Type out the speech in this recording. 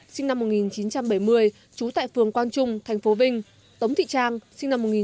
sinh năm một nghìn chín trăm bảy mươi trú tại phường quang trung tp vinh tống thị trang sinh năm một nghìn chín trăm bảy mươi chín